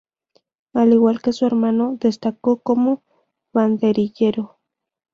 Al igual que su hermano, destacó como banderillero.